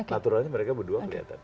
naturalnya mereka berdua kelihatan